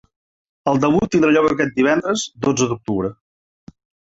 El debut tindrà lloc aquest divendres, dotze d’octubre.